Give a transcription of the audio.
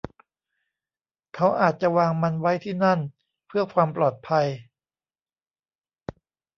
เขาอาจจะวางมันไว้ที่นั่นเพื่อความปลอดภัย